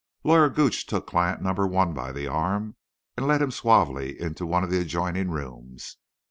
Lawyer Gooch took client number one by the arm and led him suavely into one of the adjoining rooms.